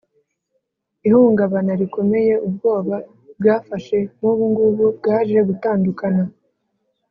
ihungabana rikomeye: ubwoba bwafashe nkubukungu bwaje gutandukana